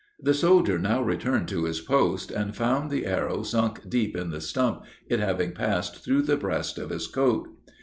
The soldier now returned to his post, and found the arrow sunk deep in the stump, it having passed through the breast of his coat.